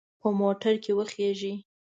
په موټر کې وخیژئ.